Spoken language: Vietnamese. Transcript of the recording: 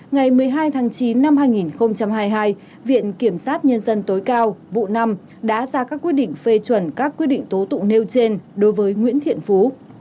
ngày một mươi hai tháng chín năm hai nghìn hai mươi hai viện kiểm sát nhân dân tối cao vụ năm đã ra các quyết định phê chuẩn các quyết định tố tụng nêu trên đối với nguyễn thiện phú